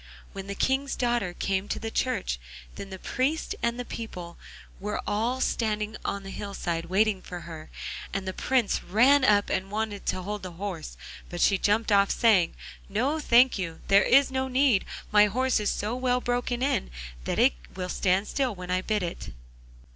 When the King's daughter came to the church the priest and people were all standing on the hillside waiting for her, and the Prince ran up and wanted to hold the horse, but she jumped off, saying: 'No, thank you, there is no need; my horse is so well broken in that it will stand still when I bid it.